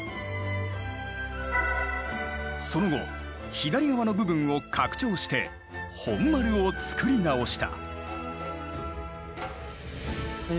その後左側の部分を拡張して本丸を造り直した。